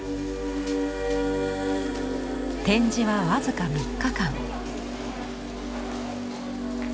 展示は僅か３日間。